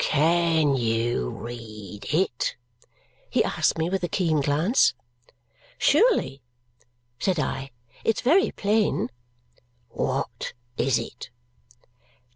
"Can you read it?" he asked me with a keen glance. "Surely," said I. "It's very plain." "What is it?"